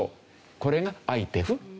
これがＩＰＥＦ。